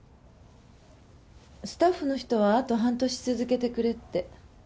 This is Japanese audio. スタッフの人は「あと半年続けてくれ」って。